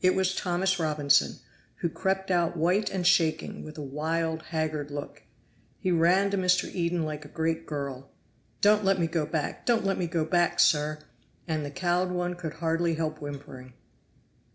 It was Thomas Robinson, who crept out white and shaking, with a wild, haggard look. He ran to Mr. Eden like a great girl. "Don't let me go back don't let me go back, sir!" And the cowed one could hardly help whimpering.